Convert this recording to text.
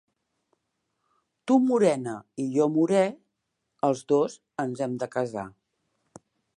Tu morena i jo moré, els dos ens hem de casar.